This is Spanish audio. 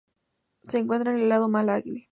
Se encuentra en el lago Malawi.